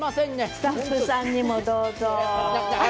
スタッフさんにもどうぞ。